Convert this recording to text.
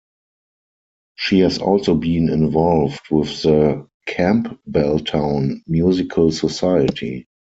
She has also been involved with the Campbelltown Musical Society.